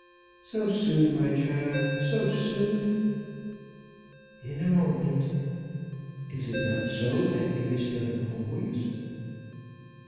"So soon, my child; so soon?" "In a moment. Is it not so that it is done always?"